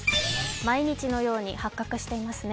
毎日のように発覚していますね